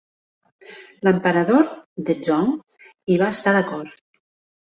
L'emperador Dezong hi va estar d'acord.